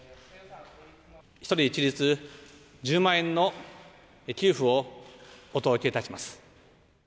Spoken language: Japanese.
１人一律１０万円の給付をお届けいたします。